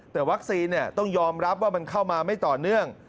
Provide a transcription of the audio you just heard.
แต่วัคซีนต้องยอมรับว่ามันเข้ามาไม่ต่อเนื่อง